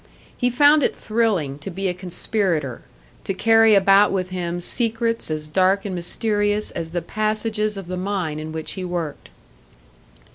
He found it thrilling to be a conspirator, to carry about with him secrets as dark and mysterious as the passages of the mine in which he worked.